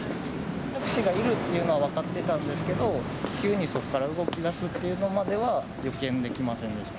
タクシーがいるっていうのは分かってたんですけど、急にそこから動きだすっていうのは、予見できませんでした。